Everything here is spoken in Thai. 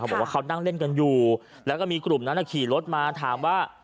บอกว่าเขานั่งเล่นกันอยู่แล้วก็มีกลุ่มนั้นขี่รถมาถามว่า